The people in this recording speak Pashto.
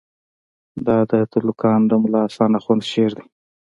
دا د تُلُقان د ملاحسن آخوند شعر دئ.